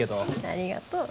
ありがとう。